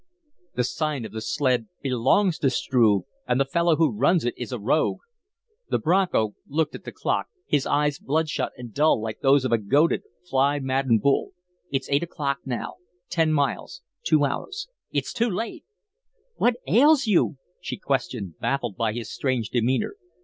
"The Sign of the Sled belongs to Struve, and the fellow who runs it is a rogue." The Bronco looked at the clock, his eyes bloodshot and dull like those of a goaded, fly maddened bull. "It's eight o'clock now ten miles two hours. Too late!" "What ails you?" she questioned, baffled by his strange demeanor.